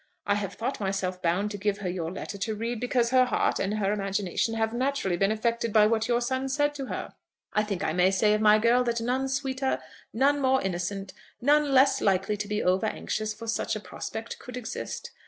I have thought myself bound to give her your letter to read because her heart and her imagination have naturally been affected by what your son said to her. I think I may say of my girl that none sweeter, none more innocent, none less likely to be over anxious for such a prospect could exist.